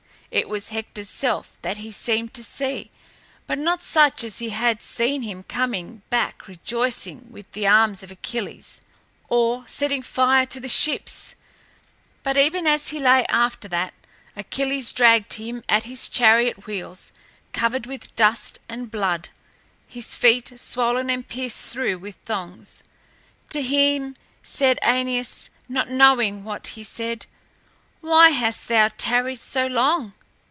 It was Hector's self that he seemed to see, but not such as he had seen him coming back rejoicing with the arms of Achilles or setting fire to the ships, but even as he lay after that Achilles dragged him at his chariot wheels, covered with dust, and blood, his feet swollen and pierced through with thongs. To him said Æneas, not knowing what he said, "Why hast thou tarried so long?